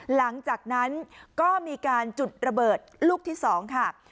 หลังจากนั้นก็มีการจุดระเบิดลูกที่๒ค่ะ